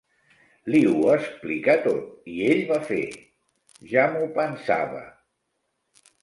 Li ho explicà tot, i ell va fer: "Ja m'ho pensava!"